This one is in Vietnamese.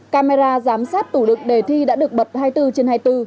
camera giám sát tủ đực đề thi đã được bật hai mươi bốn trên hai mươi bốn